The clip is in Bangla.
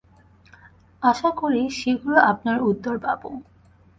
আশা করি, শীঘ্র আপনার উত্তর পাব।